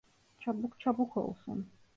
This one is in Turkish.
Çabuk çabuk olsun…